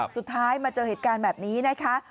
สุดท้ายมาเจอเหตุการณ์แบบนี้นะคะ